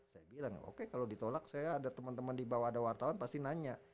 saya bilang oke kalau ditolak saya ada teman teman di bawah ada wartawan pasti nanya